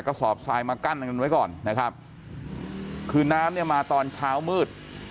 กระสอบทรายมากั้นกันไว้ก่อนนะครับคือน้ำเนี่ยมาตอนเช้ามืด